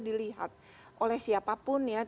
dilihat oleh siapapun ya